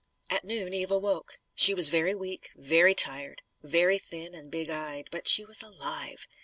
At noon Eve awoke. She was very weak, very tired, very thin and big eyed. But she was alive.